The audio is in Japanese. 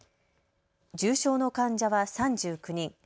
重症の患者は３９人。